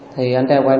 thì anh trai của em